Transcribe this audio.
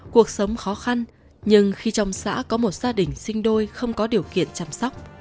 cuộc sống khó khăn nhưng khi trong xã có một gia đình sinh đôi không có điều kiện chăm sóc